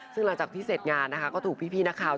ซึ่งหลังจากที่เสร็จงานก็ถูกพิพีนะครับ